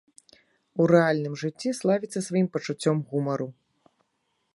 У рэальным жыцці славіцца сваім пачуццём гумару.